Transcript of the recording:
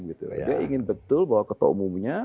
dia ingin betul bahwa ketua umumnya